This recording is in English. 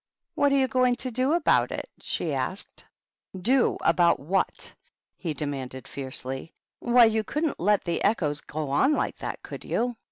"What are you going to do about it?^' she asked. " Do about wJiat f^ he demanded, fiercely. " Why, you couldn't let the echoes go on like that, could you?"